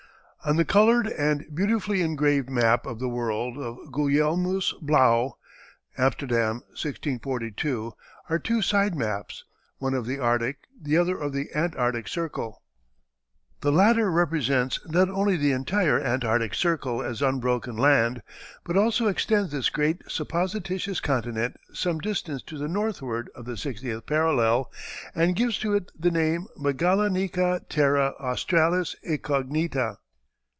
On the colored and beautifully engraved map of the world of Gulielmus Blaeuw (Amsterdam, 1642) are two side maps, one of the Arctic, the other of the Antarctic, Circle. The latter represents not only the entire Antarctic Circle as unbroken land, but also extends this great supposititious continent some distance to the northward of the sixtieth parallel and gives to it the name Magallanica Terra Australis Incognita.